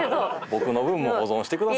僕の運も保存してくださいよ。